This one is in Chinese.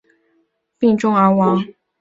正德元年病重而亡。